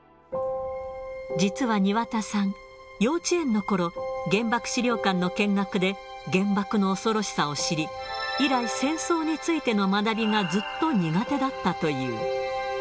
実は庭田さん、幼稚園のころ、原爆資料館の見学で、原爆の恐ろしさを知り、以来、戦争についての学びがずっと苦手だったという。